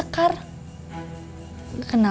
aku sudah berusaha untuk mengambil alih